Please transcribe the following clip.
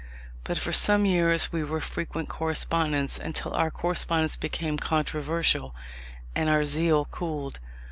But for some years we were frequent correspondents, until our correspondence became controversial, and our zeal cooled.